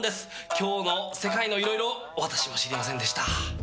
今日のせかいのいろいろ私も知りませんでした。